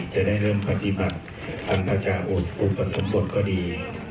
จะได้เริ่มปฏิบัติภัณฑ์พระเจ้าอุปสมบทก็ดี